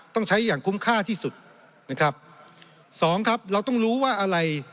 ต้องใช้อย่างคุ้มค่าที่สุดนะครับสองครับเราต้องรู้ว่าอะไร